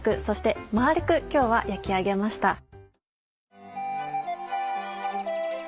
そして丸く今日は焼き上げました。